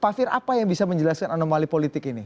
pak fir apa yang bisa menjelaskan anomali politik ini